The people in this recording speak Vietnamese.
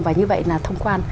và như vậy là thông quan